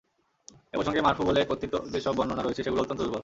এ প্রসঙ্গে মারফু বলে কথিত যে সব বর্ণনা রয়েছে সেগুলো অত্যন্ত দুর্বল।